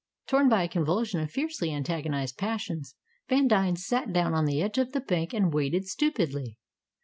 Torn by a convulsion of fiercely antagonized passions, Vandine sat down on the edge of the bank and waited stupidly.